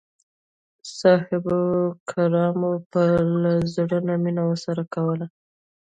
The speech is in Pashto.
صحابه کرامو به له زړه نه مینه ورسره کوله.